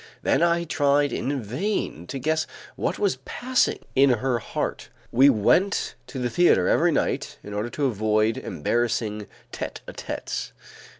Then I tried in vain to guess what was passing in her heart. We went to the theater every night in order to avoid embarrassing tete a tetes.